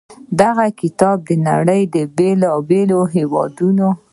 دغه کتاب د نړۍ د بېلا بېلو هېوادونو